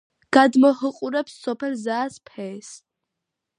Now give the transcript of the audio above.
გადმოჰყურებს სოფელ ზაას-ფეეს.